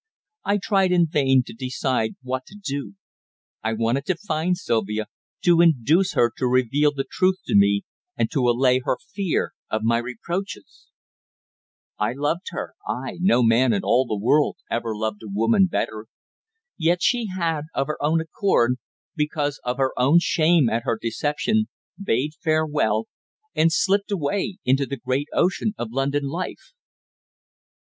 I tried in vain to decide what to do. I wanted to find Sylvia, to induce her to reveal the truth to me, and to allay her fear of my reproaches. I loved her; aye, no man in all the world ever loved a woman better. Yet she had, of her own accord, because of her own shame at her deception, bade farewell, and slipped away into the great ocean of London life.